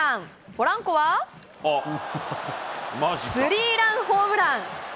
ボランコはスリーランホームラン。